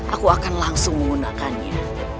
aku akan langsung menggunakannya